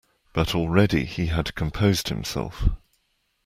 But already he had composed himself.